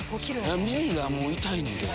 耳がもう痛いねんけど。